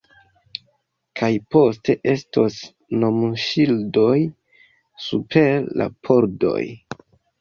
Kaj poste estos nomŝildoj super la pordoj